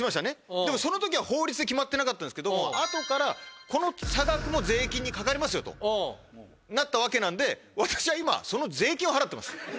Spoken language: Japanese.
でもその時は法律で決まってなかったんですけど後からこの差額も税金にかかりますよとなったわけなんで私は。